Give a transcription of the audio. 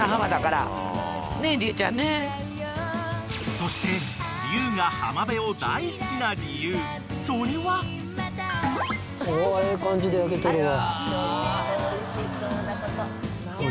［そしてリュウが浜辺を大好きな理由それは］ええ感じで焼けてるわ。